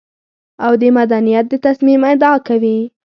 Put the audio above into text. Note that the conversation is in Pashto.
او د مدنيت د تصميم ادعا کوي.